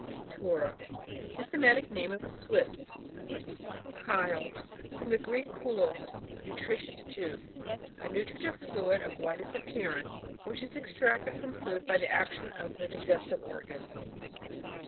CHiBTURA. — Systematic name of the Swifls. Chyle. — From the Greek, chuloa, nutritious juice. A nutritive fluid of a whitish appearance, which is extracted from food by the action •f the digestive organs.